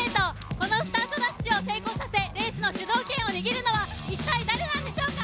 このスタートダッシュを成功させ、レースの主導権を握るのは一体誰なんでしょうか。